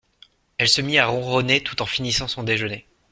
Elle se mit à ronronner tout en finissant son déjeuner.